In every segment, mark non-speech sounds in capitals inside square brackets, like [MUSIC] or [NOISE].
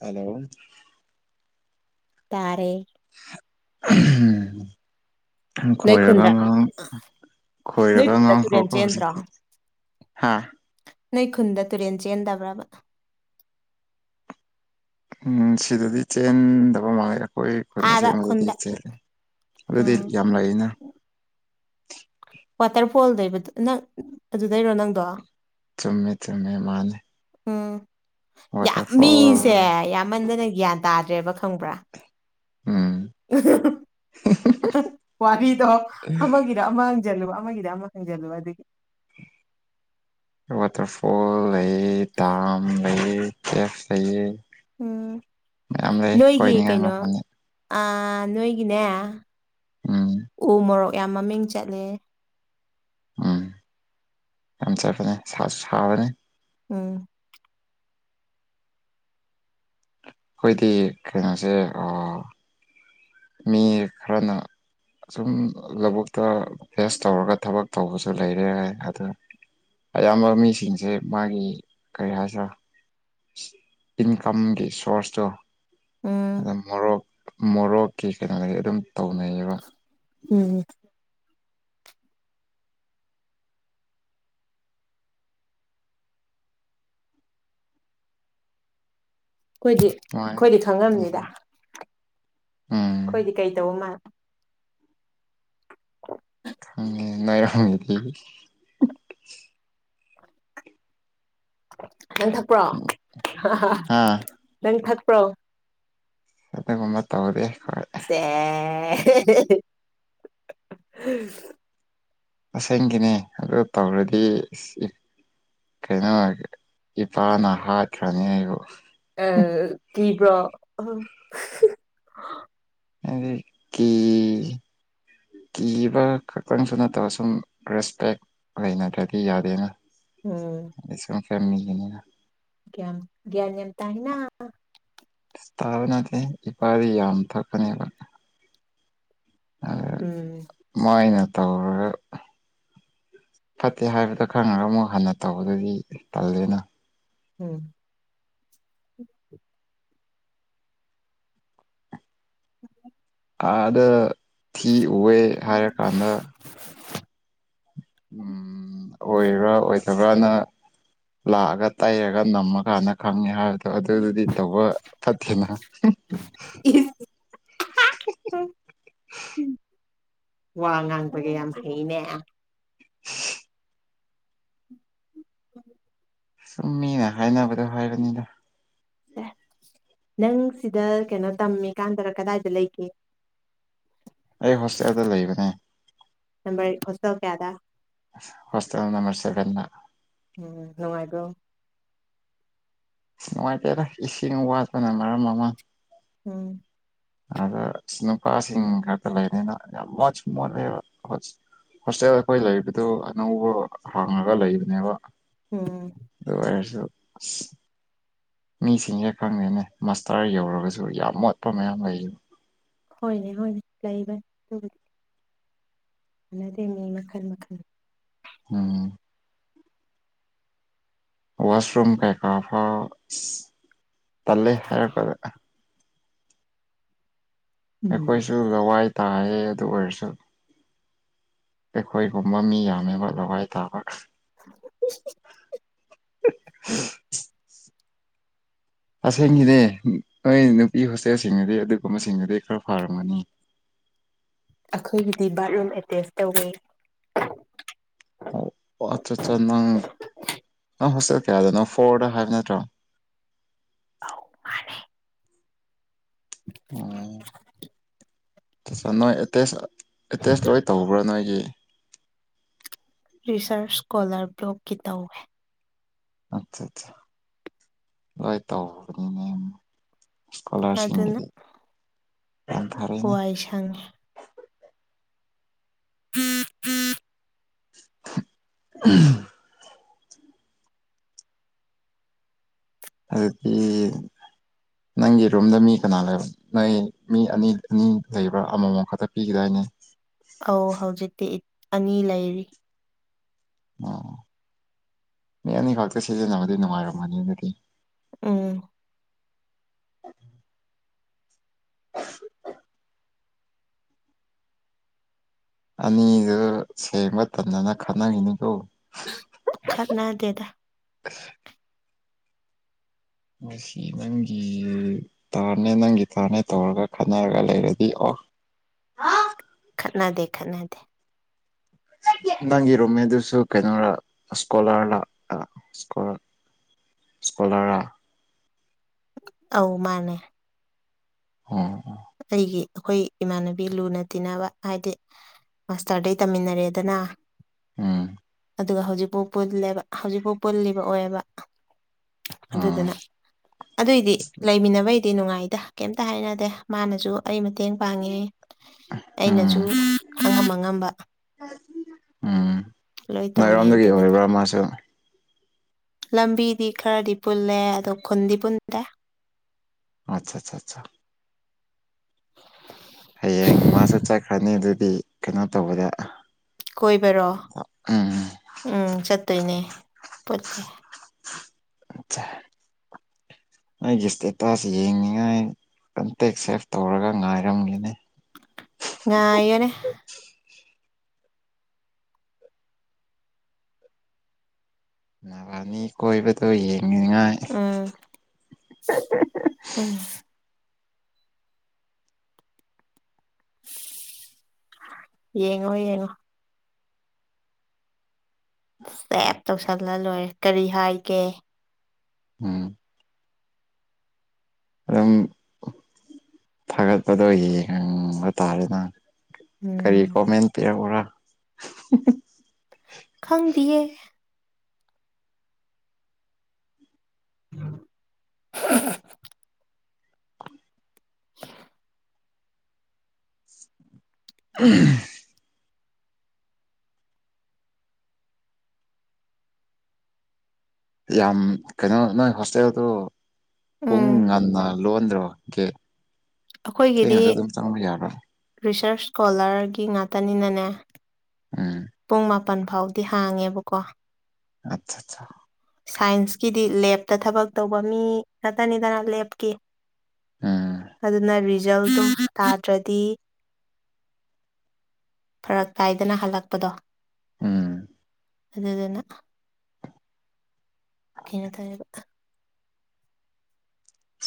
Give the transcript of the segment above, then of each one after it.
hello ꯇꯥꯔꯦ ꯍ ꯅꯣꯏ ꯈꯨꯟꯗ ꯈꯣꯏꯔꯒꯥꯡ ꯅꯣꯏ ꯈꯣꯏꯔꯒ ꯈꯨꯟꯗ ꯇꯨꯔꯦꯟ ꯉꯥꯡꯈ꯭ꯔꯒ ꯆꯦꯟꯗ꯭ꯔꯣ ꯍꯧꯖꯤꯛꯤ ꯍꯥꯥ ꯅꯣꯏ ꯈꯨꯟꯗ ꯇꯨꯔꯦꯟ ꯆꯦꯟꯗꯕ꯭ꯔꯕ ꯎꯝ ꯁꯤꯗꯗꯤ ꯆꯦꯟꯗꯕ ꯃꯥꯡꯉꯦ ꯑꯩꯈꯣꯏ ꯈꯨꯠ ꯑꯥꯗ ꯈꯨꯟꯗ ꯑꯁꯦꯡꯕꯗꯗꯤ ꯆꯦꯂꯦ ꯑꯗꯨꯗꯤ ꯎꯝ ꯌꯥꯝ ꯂꯩꯩꯅ ꯐꯣꯜꯗꯕꯗ ꯅꯪ ꯑꯗꯨꯗꯩꯔꯣ ꯅꯪꯗꯣ ꯆꯨꯝꯃꯦ ꯆꯨꯝꯃꯦ ꯃꯥꯅꯦ ꯎꯝ ꯌꯥꯝ ꯃꯤꯁꯦ ꯋꯥꯇꯔꯐꯣꯜ ꯌꯥꯝꯃꯟꯗꯅ ꯒ꯭ꯌꯥꯟ ꯇꯥꯗ꯭ꯔꯦꯕ ꯈꯪꯕ꯭ꯔꯥ ꯎꯝ ꯋꯥꯔꯤꯗꯣ ꯑꯃꯒꯤꯔ ꯑꯃꯒꯤ ꯍ ꯆꯜꯂꯨ ꯑꯃꯒꯤꯗꯤ ꯑꯃ ꯈꯪꯖꯜꯂꯨꯕ ꯑꯗꯨꯗꯒꯤ [UNINTELLIGIBLE] ꯋꯥꯇꯔꯐꯣꯜ ꯂꯩꯌꯦ ꯗꯥꯝ ꯂꯩꯌꯦ ꯀꯦ ꯂꯩꯌꯦ ꯎꯝ ꯃꯌꯥꯝ ꯂꯩ ꯅꯣꯏꯒꯤ ꯀꯣꯏꯅꯤꯡꯉꯥꯏ ꯀꯩꯅꯣ ꯃꯐꯝꯅꯤ ꯅꯣꯏꯒꯤꯅꯦ ꯎꯝ ꯎ ꯃꯣꯔꯣꯛ ꯌꯥꯝ ꯃꯃꯤꯡ ꯆꯠꯂꯦ ꯎꯝ ꯌꯥꯝ ꯆꯠꯄꯅꯤ ꯁꯥꯕꯅꯤ ꯎꯝ ꯑꯩꯈꯣꯏꯗꯤ ꯀꯩꯅꯣꯁꯦ ꯃꯤ ꯈꯔꯅ ꯁꯁꯨꯝ ꯂꯧꯕꯨꯛꯇ ꯐꯦꯁ ꯇꯧꯔꯒ ꯊꯕꯛ ꯇꯧꯕꯁꯨ ꯂꯩꯔꯦ ꯍꯥꯏ ꯑ ꯑꯌꯥꯝꯕ ꯃꯤꯁꯤꯡꯁꯦ ꯃꯥꯒꯤ ꯀꯔꯤ ꯍꯥꯏꯁꯤꯔꯥ ꯏꯟꯀꯝꯒꯤ ꯁꯣꯔꯁꯇꯣ ꯎꯝ ꯑꯗ ꯃꯣꯔꯣꯛ ꯃꯣꯔꯣꯛꯀꯤ ꯀꯩꯅꯣꯗꯤ ꯑꯗꯨꯝ ꯇꯧꯅꯩꯌꯦꯕ ꯎꯝ ꯑꯩꯈꯣꯏꯗꯤ ꯃꯣꯏ ꯑꯩꯈꯣꯏꯗꯤ ꯈꯪꯉꯕꯅꯤꯗ ꯎꯝ ꯎꯝ ꯑꯩꯈꯣꯏꯗꯤ ꯀꯩ ꯇꯧꯕ ꯃꯥꯜꯂꯦ ꯪꯔ [UNINTELLIGIBLE] ꯅꯪ ꯊꯛꯄ꯭ꯔꯣ ꯍꯥ ꯅꯪ ꯊꯛꯄ꯭ꯔꯣ ꯑꯗꯨꯒꯨꯝꯕ ꯇꯧꯗꯤ ꯍꯣꯏ ꯑꯦ ꯑꯁꯪꯒꯤꯅꯦ ꯑꯗꯨ ꯇꯧꯔꯗꯤ ꯀꯩꯅꯣ ꯏꯄꯥꯅ ꯍꯥꯠꯈ꯭ꯔꯅꯤ ꯑꯩꯕꯨ ꯑ ꯇꯤꯕ꯭ꯔꯥ ꯑꯗꯨꯠꯇ ꯀꯤꯕ ꯈꯛꯇꯪꯁꯨ ꯅꯠꯇꯕ ꯁꯨꯝ ꯔꯦꯁꯄꯦꯛ ꯂꯩꯅꯗ꯭ꯔꯗꯤ ꯌꯥꯗꯦꯅ ꯎꯝ ꯐꯃꯤꯒꯤꯅꯤꯅ ꯌꯥꯝꯝ ꯇ ꯍꯥꯏꯅ ꯁꯊꯥꯕꯅꯥꯗ ꯏꯕꯔꯤ ꯌꯥꯅꯊꯀꯅꯤꯕ ꯎꯝ ꯇꯧꯔ ꯐꯠꯇꯦ ꯍꯥꯏꯕꯗꯣ ꯈꯪꯉꯒ ꯑꯃꯨꯛ ꯍꯟꯅ ꯇꯧꯕꯗꯨꯗꯤ ꯇꯜꯜꯂꯤꯦꯅ ꯎꯝ ꯎ ꯑꯥꯗ ꯊꯤ ꯎꯑꯦ ꯍꯥꯏꯔꯀꯥꯟꯗ ꯎ ꯎꯝ ꯑꯣꯏꯕ꯭ꯔꯥ ꯑꯣꯏꯗꯕ꯭ꯔꯥꯅ ꯂꯥꯛꯑꯒ ꯇꯩꯔꯒ ꯅꯝꯃꯀꯥꯟꯗ ꯈꯪꯉꯦ ꯍꯥꯏꯕꯗꯨ ꯑ ꯑꯗꯨꯗꯨꯗꯤ ꯇꯧꯕ ꯐꯠꯇꯦꯅ ꯏꯁ, [UNINTELLIGIBLE] ꯋꯥ ꯉꯥꯡꯕꯒꯦ ꯌꯥꯝ ꯍꯩꯅꯦ [UNINTELLIGIBLE] ꯁꯨꯝ ꯃꯤꯅ ꯍꯥꯏꯅꯕꯗꯣ ꯍꯥꯏꯕꯅꯤꯗ ꯑꯦ ꯅꯪ ꯁꯤꯗ ꯀꯩꯅꯣ ꯇꯝꯃꯤꯀꯥꯟꯗꯔ ꯀꯗꯥꯏꯗ ꯂꯩꯒꯦ ꯑꯩ ꯍꯣꯁꯇꯦꯜꯗ ꯂꯩꯕꯅꯦ ꯅꯝꯕꯔ ꯍꯧꯁ ꯀꯌꯥꯗ ꯍꯁ ꯅꯝꯕꯁꯕꯅ ꯎꯝ ꯅꯨꯡꯉꯥꯏꯗꯣ ꯅꯨꯡꯉꯥꯏꯇꯦꯗ ꯏꯁꯤꯡ ꯋꯥꯠꯄꯅ ꯃꯔꯝ ꯃꯃꯥꯡ ꯎꯝ ꯑꯗ ꯁꯤ ꯅꯨꯨꯄꯥꯁꯤꯡ ꯈꯔꯗ ꯂꯩꯅꯤꯅ ꯌꯥꯝ ꯃꯣꯠ ꯃꯣꯠꯂꯦꯕ ꯍꯣꯁꯇꯦꯜ ꯑꯩꯈꯣꯏ ꯂꯩꯔꯤꯕꯕꯗꯨ ꯑꯅꯧꯕ ꯍꯥꯡꯉꯒ ꯂꯩꯕꯅꯦꯕ ꯎꯝ ꯑꯗꯨꯁꯨꯁꯨ ꯃꯤꯁꯤꯡꯁꯦ ꯈꯪꯗꯦꯅꯦ ꯃꯁꯇꯔ ꯌꯧꯔꯒꯁꯨ ꯌꯥꯝ ꯃꯣꯠꯄ ꯃꯌꯥꯝ ꯂꯩꯌꯦ ꯍꯣꯏꯅꯦ ꯍꯣꯏꯅꯦ ꯂꯩꯕꯅꯤ ꯑꯗꯨꯕꯨꯗꯤ ꯑꯗꯤꯅꯦ ꯃꯈꯜ ꯃꯈꯜ ꯎꯝ ꯋꯥꯁꯔꯨꯝ ꯀꯩꯀꯥꯐ ꯇꯜꯂꯦ ꯍꯥꯏꯔꯛꯀꯗ ꯎꯝ ꯑꯩꯈꯣꯏꯁꯨ ꯂꯋꯥꯏ ꯇꯥꯌꯦ ꯑꯗꯨ ꯑꯣꯏꯔꯁꯨ ꯑꯩꯈꯣꯏꯒꯨꯝꯕ ꯃꯤ ꯌꯥꯝꯃꯦꯕ ꯂꯋꯥꯏ ꯇꯥꯕꯒ [UNINTELLIGIBLE] [UNINTELLIGIBLE] ꯑꯁꯦꯡꯒꯤꯅꯦ ꯅꯣꯏ ꯅꯨꯄꯤ ꯍꯣꯁꯇꯦꯜꯁꯤꯡꯗꯨꯗꯤ ꯑꯗꯨꯒꯨꯝꯕꯁꯤꯡꯗꯨꯗꯤ ꯈꯔ ꯐꯔꯝꯒꯅꯤ [UNINTELLIGIBLE] ꯑꯩꯈꯣꯏꯒꯤꯗꯤ ꯕꯥꯠꯔꯨꯝ ꯑꯦꯇꯦꯁ ꯇꯧꯋꯤ ꯑꯠꯆꯥ ꯑꯠꯆꯥ ꯅꯪ ꯅꯪ ꯍꯣꯁꯇꯦꯜ ꯀꯌꯥꯗꯅꯣ ꯐꯣꯔꯗ ꯍꯥꯏꯕ ꯅꯠꯇ꯭ꯔꯣ ꯑ ꯑꯣꯝ ꯅꯣꯏ ꯑꯦꯇꯦꯁ ꯑꯦꯇꯦꯁ ꯂꯣꯏ ꯇꯧꯕ꯭ꯔꯥ ꯅꯣꯏꯒꯤ ꯔꯤꯁꯔꯁ ꯁꯀꯣꯂꯥꯔ ꯕꯣꯛꯀꯤ ꯇꯧꯋꯦ ꯑꯠꯆꯥ ꯑꯠꯆꯥ ꯂꯣꯏ ꯇꯧꯕꯅꯤꯅꯦ ꯏꯁꯀꯣꯂꯔꯁꯤꯞꯗꯤ ꯀꯋꯥꯏꯁꯪ ꯎꯝ ꯎꯝ [UNINTELLIGIBLE] ꯑꯗꯨꯛꯇ ꯅꯪꯒꯤ ꯔꯨꯝꯗ ꯃꯤ ꯀꯅꯥ ꯂꯩꯕ ꯅꯣꯏ ꯃꯤ ꯑꯅꯤ ꯑꯅꯤ ꯂꯩꯕ꯭ꯔꯥ ꯑꯃꯃꯝ ꯈꯛꯇ ꯄꯤꯈꯤꯗꯏꯅꯤ ꯑ ꯑꯧ ꯍꯧꯖꯤꯛꯇꯤ ꯑꯅꯤ ꯂꯩꯔꯤ ꯑꯣ ꯃꯤ ꯑꯅꯤꯈꯛꯇ ꯁꯤꯖꯤꯟꯅꯕꯗꯤ ꯅꯨꯡꯉꯥꯏꯔꯝꯃꯅꯤ ꯑꯗꯨꯗꯤ ꯎꯝ ꯑꯅꯤꯗꯨ ꯁꯦꯡꯕ ꯇꯗꯅ ꯈꯅꯈꯤꯤꯅꯤꯀꯣ ꯈꯔꯅꯥ ꯗꯦꯗ [INAUDIBLE] ꯃꯁꯤ ꯅꯪꯒꯤ ꯇꯥꯔꯅꯦ ꯅꯪꯒꯤ ꯇꯔꯅꯦ ꯇꯧꯔꯒ ꯈꯟꯅꯔꯒ ꯂꯩꯔꯗꯤ ꯑꯣ ꯑ ꯈꯠꯅꯗꯦ ꯈꯠꯅꯗꯦ [INAUDIBLE] ꯅꯪꯒꯤ ꯔꯨꯝꯃꯦꯗꯨꯁꯨ ꯀꯩꯅꯣꯔꯥ ꯏꯁꯀꯣꯂꯔ ꯂꯀꯣ ꯁ꯭ꯀꯣꯂꯔꯥ ꯑ ꯃꯥꯅꯦ ꯑꯣ ꯑꯩꯒꯤ ꯑꯩꯈꯣꯏ ꯏꯃꯥꯟꯅꯕꯤ ꯂꯨꯅ ꯇꯤꯟꯅꯕ ꯍꯥꯏꯗꯤ ꯃꯥꯁꯇꯔꯗꯩ ꯇꯝꯃꯤꯟꯅꯔꯦꯗꯅ ꯎꯝ ꯑꯗꯨꯒ ꯍꯧꯖꯤꯛꯐꯥꯎ ꯄꯨꯜꯂꯦꯕ ꯍꯧꯖꯤꯛꯐꯥꯎ ꯄꯨꯜꯂꯤꯕ ꯑꯣꯏꯌꯦꯕ ꯑꯥ ꯑꯗꯨꯗꯨꯅ ꯑꯗꯨꯏꯗꯤ ꯂꯩꯃꯤꯟꯅꯕꯩꯗꯤ ꯅꯨꯡꯉꯥꯏꯗ ꯀꯩꯇ ꯍꯥꯏꯅꯗꯦ ꯃꯥꯅꯁꯨ ꯑꯩ ꯃꯇꯦꯡ ꯄꯥꯡꯉꯦ ꯑꯩꯅꯁꯨ ꯎꯝ ꯈꯪꯉꯝꯃꯉꯝꯕ ꯎꯝ ꯇꯧꯅꯩ ꯔꯣꯝꯗꯒꯤ ꯑꯗꯨꯒꯤꯗꯤ ꯑꯣꯏꯕ꯭ꯔꯥ ꯃꯥꯁꯨ ꯂꯝꯕꯤꯗꯤ ꯈꯔꯗꯤ ꯄꯨꯜꯂꯦ ꯑꯗꯣ ꯈꯨꯟꯗꯤ ꯄꯨꯟꯗꯦ ꯑꯆꯥ ꯑꯆꯥ ꯑ ꯍꯌꯦꯡ ꯃꯥꯁꯨ ꯆꯠꯈ꯭ꯔꯅꯤ ꯑꯗꯨꯗꯤ ꯀꯩꯅꯣ ꯇꯧꯕꯗ ꯀꯣꯏꯕꯔꯣ ꯎꯝ ꯎꯝ ꯆꯠꯇꯣꯏꯅꯦ ꯄꯨꯂꯦ ꯆ ꯑꯩꯒꯤ ꯏꯁꯇꯦꯇꯥꯁ ꯌꯦꯡꯅꯤꯡꯉꯥꯏ ꯀꯟꯇꯦꯛ ꯁꯦꯞ ꯇꯧꯔꯒ ꯉꯥꯏꯔꯝꯒꯅꯤ ꯉꯥꯏꯅꯦ ꯑꯅꯤ ꯀꯣꯏꯕꯗꯏꯌꯦ ꯎꯝ ꯎꯝ ꯌꯦꯡꯉꯣ ꯌꯦꯡꯉꯣ ꯁꯦꯞ ꯇꯧꯁꯜꯂ ꯂꯣꯏꯔꯦ ꯀꯔꯤ ꯍꯥꯏꯒꯦ ꯎꯝ ꯑꯗꯨꯝ ꯐꯒꯠꯄꯗꯣ ꯌꯦꯡꯪꯕ ꯇꯥꯔꯦꯅ ꯀꯔꯤ ꯎꯝ ꯀꯣꯃꯦꯟ ꯄꯤꯔꯕ꯭ꯔꯥ ꯈꯪꯗꯤꯌꯦ [INAUDIBLE] [INAUDIBLE] [INAUDIBLE] ꯌꯥꯝ ꯀꯩꯅꯣ ꯅꯣꯏ ꯍꯣꯁꯇꯦꯜꯗ ꯄꯨꯡ ꯎꯝ ꯉꯟꯅ ꯂꯣꯟꯗ꯭ꯔꯣ ꯀꯦ ꯊꯦꯡꯅꯁꯨ ꯑꯩꯈꯣꯏꯒꯤꯗꯤ ꯑꯗꯨꯝ ꯆꯪꯕ ꯌꯥꯕ꯭ꯔꯣ ꯔꯤꯁꯔꯁ ꯁ꯭ꯀꯣꯂꯔꯒꯤ ꯉꯥꯛꯇꯅꯤꯅꯅꯦ ꯎꯝ ꯄꯨꯡ ꯃꯥꯄꯜ ꯐꯥꯎꯗꯤ ꯍꯥꯡꯉꯦꯕꯀꯣ ꯑꯆꯥ ꯑꯆꯥ ꯁꯥꯏꯟꯁꯀꯤꯗꯤ ꯂꯦꯞꯇ ꯊꯕꯛ ꯇꯧꯕ ꯃꯤ ꯈꯛꯇꯅꯤꯗꯅ ꯂꯦꯞꯀꯤ ꯎꯝ ꯑꯗꯨꯅ ꯔꯤꯖꯜꯇꯣ ꯇꯥꯗ꯭ꯔꯗꯤ ꯐꯔꯛ ꯀꯥꯏꯗꯅ ꯍꯜꯂꯛꯄꯗꯣ ꯎꯝ ꯑꯗꯨꯗꯗꯅ ꯀꯅ ꯇꯕ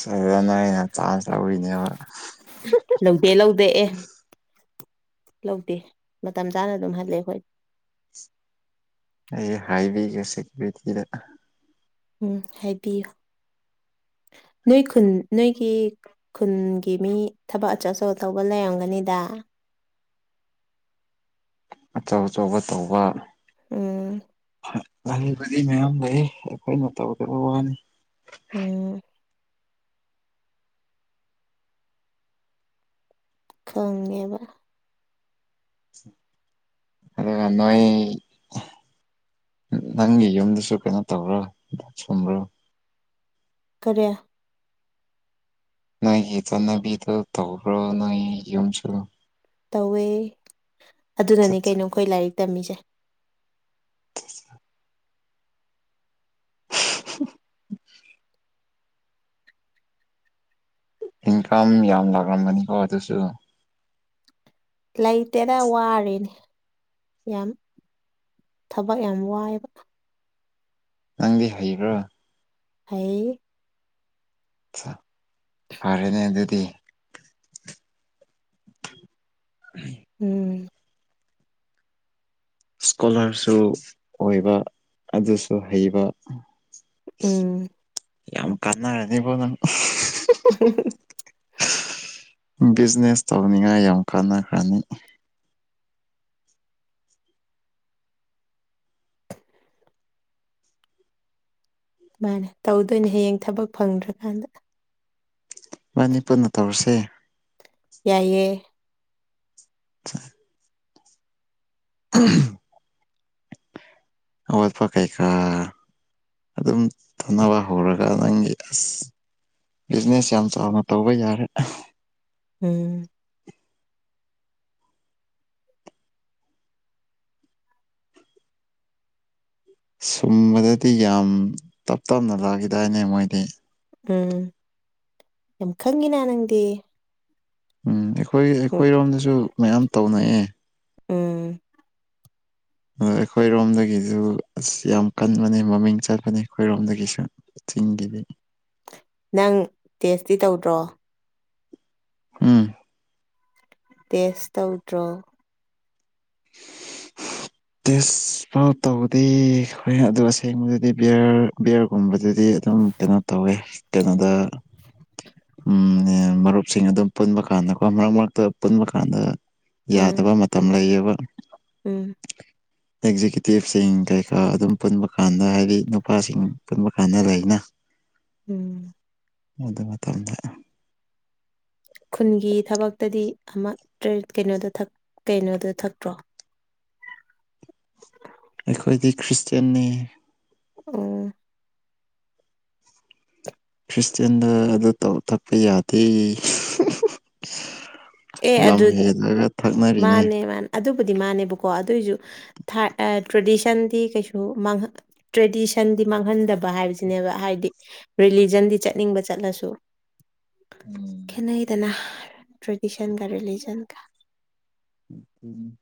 ꯁꯖꯅ ꯑꯩꯅ ꯆꯥꯟꯁ ꯇꯧꯤꯅꯦꯕ ꯂꯧꯗꯦ ꯂꯧꯗꯦ ꯑꯦ ꯂꯧꯗꯦ ꯃꯇꯝ ꯆꯥꯅ ꯑꯗꯨꯝ ꯍꯜꯂꯦ ꯍꯣꯏ ꯑꯩ ꯍꯥꯏꯕꯤꯒꯦ ꯁꯦꯀ꯭ꯌꯨꯔꯤꯇꯤꯗ ꯎꯝ ꯍꯥꯏꯕꯤꯌꯨ [INAUDIBLE] ꯅꯣꯏ ꯈꯨꯟ ꯅꯣꯏꯒꯤ ꯈꯨꯟꯒꯤ ꯃꯤ ꯊꯕꯛ ꯑꯆꯧ ꯑꯆꯧ ꯇꯧꯕ ꯂꯩꯔꯝꯒꯅꯤꯗ ꯑꯥ ꯑꯆꯧ ꯑꯆꯧꯕ ꯇꯧꯕ ꯎꯝ ꯑꯩꯕꯔꯤ ꯃꯌꯥꯝ ꯂꯩ ꯑꯩꯈꯣꯏꯅ ꯇꯧꯗꯕ ꯋꯥꯅꯤ ꯎꯝ ꯈꯪꯉꯦꯕ ꯑꯗ ꯉ ꯅꯣꯣꯏ ꯅꯪꯒꯤ ꯌꯨꯝꯗꯁꯨ ꯀꯩꯅꯣ ꯇꯧꯔꯣ ꯁꯨꯝꯕ꯭ꯔꯣ ꯀꯔꯦ ꯅꯣꯏꯒꯤ ꯆꯠꯅꯕꯤꯗꯣ ꯇꯧꯕ꯭ꯔꯣ ꯅꯣꯏ ꯌꯨꯝꯁꯨ ꯇꯧꯋꯦ ꯑꯗꯨꯅꯅꯦ ꯀꯩꯅꯣ ꯑꯩꯈꯣꯏ ꯂꯥꯏꯔꯤꯛ ꯇꯝꯃꯤꯁꯦ ꯏꯟꯀꯝ ꯌꯥꯝ ꯂꯥꯛꯂꯝꯒꯅꯤꯀꯣ ꯑꯗꯨꯁꯨ ꯂꯩꯇꯦꯅ ꯋꯥꯔꯅꯦ ꯌꯥꯝ ꯊꯕꯛ ꯌꯥꯝ ꯋꯥꯏꯕ ꯅꯪꯗꯤ ꯍꯩꯕ꯭ꯔꯣ ꯍꯥ ꯐꯔꯦꯅꯦ ꯑꯗꯨꯗꯤ ꯎꯝ ꯏꯁꯀꯣꯂꯥꯔꯁꯨ ꯑꯣꯏꯕ ꯑꯗꯨꯁꯨ ꯍꯩꯕ ꯎꯝ ꯌꯥꯝ ꯀꯟꯅ ꯍꯥꯏꯅꯤ ꯄꯅ [UNINTELLIGIBLE] ꯕꯤꯖꯤꯅꯦꯁ ꯇꯧꯅꯤꯡꯉꯥꯏ ꯌꯥꯝ ꯀꯥꯟꯅꯈ꯭ꯔꯅꯤ ꯁꯨꯃꯥꯏꯅ ꯇꯧꯗꯣꯏꯅꯦ ꯍꯌꯦꯡ ꯊꯕꯛ ꯐꯪꯗ꯭ꯔꯀꯥꯟꯗ ꯃꯅꯤ ꯄꯨꯟꯅ ꯇꯧꯔꯁꯦ ꯌꯥꯏꯌꯦ [UNINTELLIGIBLE] [UNINTELLIGIBLE] ꯑꯠ ꯄ ꯀꯥꯏ ꯀꯥ ꯑꯗꯨꯝ ꯇꯧꯅꯕ ꯍꯧꯔꯒ ꯅꯪꯒꯤ ꯑꯁ ꯕꯤꯖꯤꯅꯦꯁ ꯌꯥꯝ ꯆꯥꯎꯅ ꯇꯧꯕ ꯌꯥꯔꯦ ꯎꯝ ꯁꯨꯝꯕꯗꯗꯤ ꯌꯥꯝ ꯇꯞ ꯇꯞꯅ ꯂꯥꯛꯈꯤꯗꯥꯏꯅꯦ ꯃꯣꯏꯗꯤ ꯎꯝ ꯌꯥꯝ ꯈꯪꯉꯤꯅ ꯅꯪꯗꯤ ꯎꯝ ꯑꯩꯈꯣꯏ ꯎꯝ ꯑꯩꯈꯣꯏꯔꯣꯝꯗꯁꯨ ꯃꯌꯥꯝ ꯇꯧꯅꯑꯦ ꯎꯝ ꯑ ꯑꯩꯈꯣꯏꯔꯣꯝꯗꯒꯤꯁꯨ ꯑꯁ ꯌꯥꯝ ꯀꯟꯕꯅꯦ ꯃꯃꯤꯡ ꯆꯠꯄꯅꯦ ꯑꯩꯈꯣꯏꯔꯣꯝꯗꯒꯤꯁꯨ ꯒꯤꯗꯤ ꯅꯪ ꯇꯦꯁꯇꯤ ꯇꯧꯗ꯭ꯔꯣ ꯎꯝ ꯇꯦꯁ ꯇꯧꯗ꯭ꯔꯣ ꯇꯦꯁ ꯐꯥꯎ ꯇꯧꯕꯗꯤ ꯍ ꯑꯗꯨ ꯑꯁꯦꯡꯕꯗꯨꯗꯤ ꯕꯤꯌꯔ ꯕꯤꯌꯔꯒꯨꯝꯕꯗꯨꯗꯤ ꯑꯗꯨꯝ ꯀꯩꯅꯣ ꯇꯧꯋꯦ ꯀꯩꯅꯣꯗ ꯎꯝ ꯃꯔꯨꯞꯁꯤꯡ ꯑꯗꯨꯝ ꯄꯨꯟꯕ ꯀꯥꯟꯗ ꯀꯣ ꯃꯔꯛ ꯃꯔꯛꯇ ꯄꯨꯟꯕ ꯀꯥꯟꯗ ꯎꯝ ꯌꯥꯗꯕ ꯃꯇꯝ ꯂꯩꯌꯦꯕ ꯎꯝ ꯑꯦꯛꯖꯤꯀ꯭ꯌꯨꯇꯤꯚꯁꯤꯡ ꯀꯩꯀꯥ ꯑꯗꯨꯝ ꯄꯨꯟꯕ ꯀꯥꯟꯗ ꯍꯥꯏꯗꯤ ꯅꯨꯄꯥꯁꯤꯡ ꯄꯨꯟꯕ ꯀ ꯐꯅꯔꯅ ꯎꯝ ꯃꯗꯃ ꯇꯔꯗ ꯈꯨꯟꯒꯤ ꯊꯕꯛꯇꯗꯤ ꯑꯃ ꯀꯩꯅꯣꯗ ꯀꯩꯅꯣꯗ ꯊꯛꯇ꯭ꯔꯣ ꯑꯩꯈꯣꯏꯗꯤ ꯈ꯭ꯔꯤꯁꯇꯌꯥꯟꯅꯤ ꯑꯣ ꯈ꯭ꯔꯤꯁꯇꯦꯟꯗ ꯑꯗꯨ ꯊꯛꯄ ꯌꯥꯗꯦ ꯑꯦ ꯂꯝ ꯑꯗꯨ ꯍꯦꯂꯂꯒ ꯊꯛꯅꯔꯤꯅꯤ ꯄꯨꯕꯨꯗꯤ ꯃꯥꯥꯟꯅꯦꯕꯀꯣ ꯑꯗꯨꯑꯣꯏꯁꯨ ꯇ꯭ꯔꯦꯗꯤꯁꯟꯗꯤ ꯀꯩꯁꯨꯥꯡ ꯇ꯭ꯔꯦꯗꯤꯁꯟ ꯗꯤ ꯃꯥꯡꯍꯟꯗꯕ ꯍꯥꯏꯕꯁꯤꯅꯦꯕ ꯍꯥꯏꯗꯤ ꯔꯤꯂꯤꯖꯟꯗꯤ ꯆꯠꯅꯤꯡꯕ ꯆꯠꯂꯁꯨ ꯎꯝ ꯈꯅꯏ ꯇꯅꯥꯍ ꯇ꯭ꯔꯦꯗꯤꯁꯟ ꯀ ꯔꯂꯤꯖꯟ ꯀ ꯎꯝ